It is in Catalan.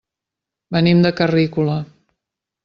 Venim de Carrícola.